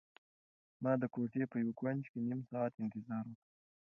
ما د کوټې په یو کنج کې نيم ساعت انتظار وکړ.